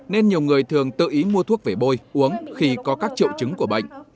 nên nhiều người thường tự ý mua thuốc về bôi uống khi có các triệu chứng của bệnh